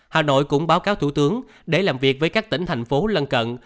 hà nội cũng báo cáo thủ tướng để làm việc với các tỉnh thành phố lân cận